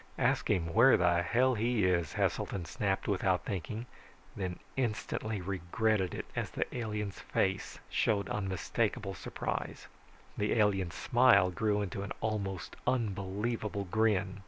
"Ask him where the hell he is," Heselton snapped without thinking, then instantly regretted it as the alien's face showed unmistakable surprise. The alien's smile grew into an almost unbelievable grin.